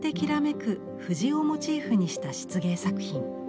藤をモチーフにした漆芸作品。